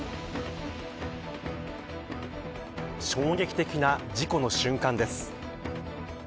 衝撃的な事故の瞬間です。